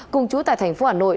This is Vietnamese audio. cùng chú tại thành phố hà nội